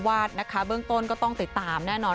นะคะเบื้องต้นก็ต้องติดตามแน่นอน